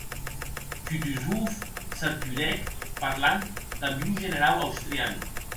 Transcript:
Kutuzov s’arturèc, parlant damb un generau austrian.